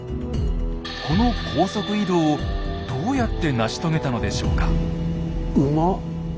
この高速移動をどうやって成し遂げたのでしょうか？